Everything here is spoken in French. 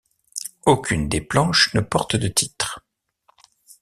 Aucune des planches ne porte de titre.